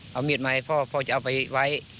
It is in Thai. เอามีดมาให้พ่อพ่อจะเอาไปไว้